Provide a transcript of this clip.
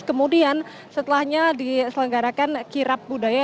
kemudian setelahnya diselenggarakan kirap budaya